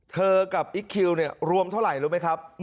เธอกับอีกฮิวเนี่ยรวมเท่าไหร่รู้มั้ยครับ